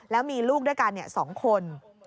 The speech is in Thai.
แล้วมีลูกด้วยกัน๒คน